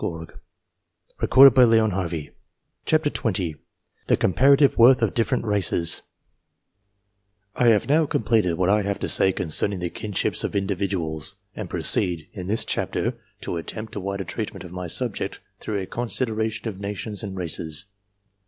COMPARATIVE WORTH OF DIFFERENT RACES 325 THE COMPAKATIVE WOETH OF DIFFEEENT EACES I HAVE now completed what I had to say concerning the kinships of individuals, and proceed, in this chapter, to attempt a wider treatment of my subject, through a con sideration of nations and races.